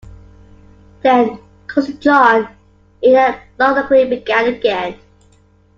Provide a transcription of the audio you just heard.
"Then, cousin John —" Ada laughingly began again.